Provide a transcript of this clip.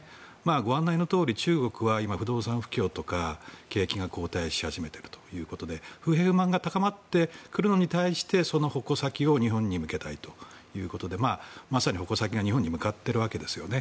ご案内のとおり中国は今不動産不況とか景気が後退し始めているということで不平不満が高まっていることに対してその矛先を日本に向けたいということでまさに矛先が日本に向かっているわけですよね。